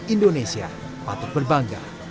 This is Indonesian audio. indonesia patut berbangga